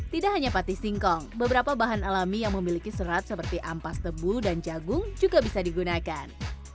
tidak hanya pati singkong beberapa bahan alami yang memiliki serat seperti ampas tebu dan jagung juga bisa digunakan